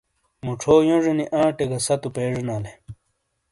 مُچھو یونجینی آٹے گہ ستُو پیجینالے۔